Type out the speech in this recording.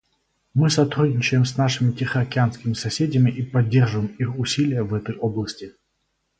Мы сотрудничаем с нашими тихоокеанскими соседями и поддерживаем их усилия в этой области.